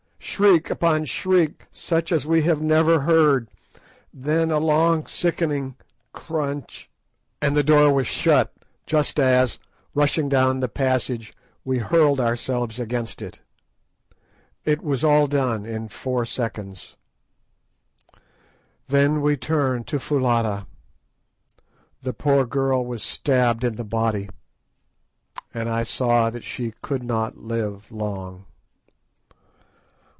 Shriek upon shriek, such as we have never heard, then a long sickening crunch, and the door was shut just as, rushing down the passage, we hurled ourselves against it. It was all done in four seconds. Then we turned to Foulata. The poor girl was stabbed in the body, and I saw that she could not live long.